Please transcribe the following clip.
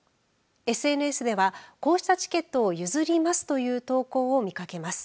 ＳＮＳではこうしたチケットを譲りますという投稿を見かけます。